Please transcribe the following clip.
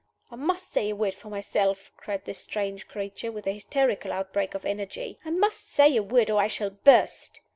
"I must say a word for myself!" cried this strange creature, with a hysterical outbreak of energy. "I must say a word, or I shall burst!"